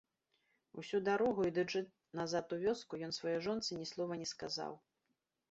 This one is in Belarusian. Усю дарогу, ідучы назад у вёску, ён сваёй жонцы ні слова не сказаў.